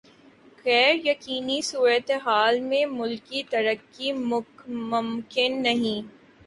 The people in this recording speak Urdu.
غیر یقینی صورتحال میں ملکی ترقی ممکن نہیں۔